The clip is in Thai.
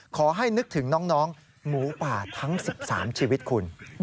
ขอให้นึกถึงน้องหมูป่าทั้ง๑๓ชีวิตคุณ